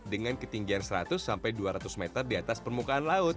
dengan ketinggian seratus sampai dua ratus meter di atas permukaan laut